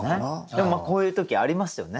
でもこういう時ありますよね。